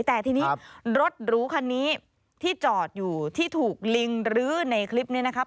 แต่ทีนี้รถหรูคันนี้ที่จอดอยู่ที่ถูกลิงรื้อในคลิปนี้นะครับ